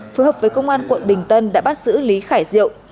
phối hợp với công an quận bình tân đã bắt giữ lý khải diệu